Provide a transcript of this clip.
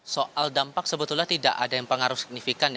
soal dampak sebetulnya tidak ada yang pengaruh signifikan